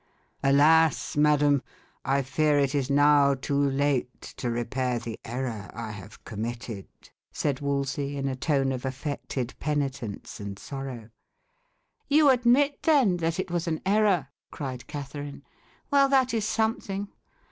"Alas! madam, I fear it is now too late to repair the error I have committed," said Wolsey, in a tone of affected penitence and sorrow. "You admit, then, that it was an error," cried Catherine. "Well, that is something.